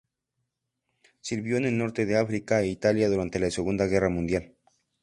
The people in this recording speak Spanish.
Sirvió en el norte de África e Italia durante la Segunda Guerra Mundial.